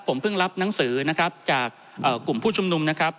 ผมเพิ่งรับหนังสือนะครับจากกลุ่มผู้ชุมนุมนะครับ